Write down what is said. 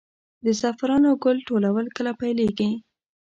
د زعفرانو ګل ټولول کله پیل کیږي؟